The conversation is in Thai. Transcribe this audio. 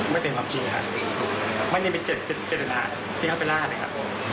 ไม่เป็นความจริงครับไม่ได้เป็นเจตนาที่เขาไปล่าเลยครับ